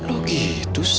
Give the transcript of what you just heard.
oh gitu sih